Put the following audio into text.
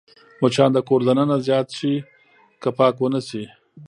مچان د کور دننه زیات شي که پاکي ونه شي